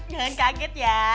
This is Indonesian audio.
jangan kaget ya